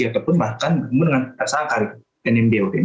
ataupun bahkan menggunakan persaingan akal dan mdod